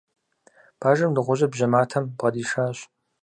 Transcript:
Бажэм дыгъужьыр бжьэматэм бгъэдишащ.